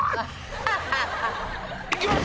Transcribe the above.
いきます！